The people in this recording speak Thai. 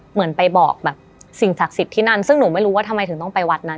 เหมือนไปบอกแบบสิ่งศักดิ์สิทธิ์ที่นั่นซึ่งหนูไม่รู้ว่าทำไมถึงต้องไปวัดนั้น